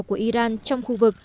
của iran trong khu vực